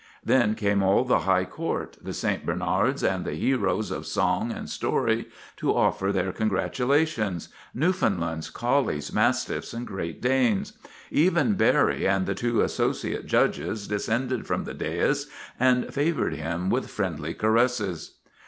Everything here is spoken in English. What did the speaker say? Then came all the high court, the St. Bernards and the heroes of song and story, to offer their congratulations Newfound lands, collies, mastiffs, and Great Danes. Even Barry and the two associate judges descended from the dais and favored him with friendly caresses.